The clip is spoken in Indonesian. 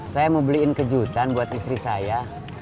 saya mau beliin kejutan buat istri saya